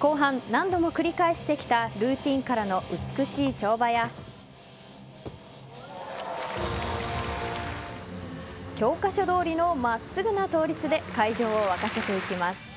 後半、何度も繰り返してきたルーティーンからの美しい跳馬や教科書どおりの真っすぐな倒立で会場を沸かせていきます。